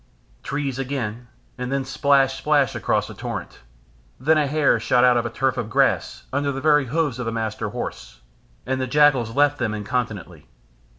Trees again, and then splash, splash across a torrent; then a hare shot out of a tuft of grass under the very hoofs of the Master Horse, and the jackals left them incontinently.